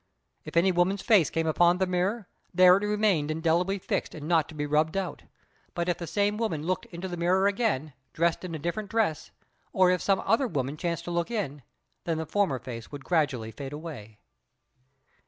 If any woman's face came upon the mirror, there it remained indelibly fixed and not to be rubbed out; but if the same woman looked into the mirror again, dressed in a different dress, or if some other woman chanced to look in, then the former face would gradually fade away.